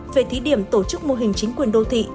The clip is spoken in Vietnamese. về thí điểm tổ chức mô hình chính quyền đô thị